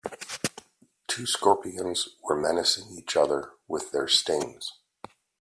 Two scorpions were menacing each other with their stings.